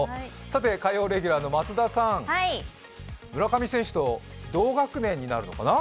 さて火曜レギュラーの松田さん、村上選手と同学年になるのかな。